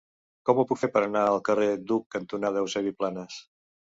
Com ho puc fer per anar al carrer Duc cantonada Eusebi Planas?